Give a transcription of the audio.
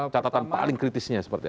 catatan paling kritisnya seperti apa